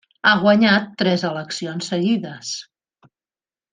Ha guanyat tres eleccions seguides.